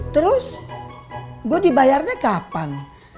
terus gue dibayarnya kapan